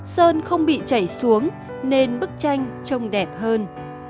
sơn không bị chảy xuống nên bức tranh trông đẹp hơn